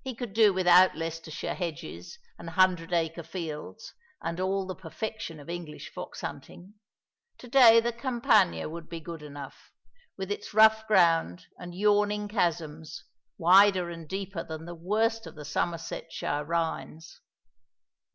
He could do without Leicestershire hedges, and hundred acre fields, and all the perfection of English fox hunting. To day the Campagna would be good enough with its rough ground and yawning chasms, wider and deeper than the worst of the Somersetshire rhines.